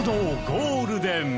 ゴールデン！